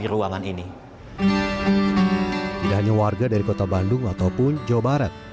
ruangan ini tidak hanya warga dari kota bandung ataupun jawa barat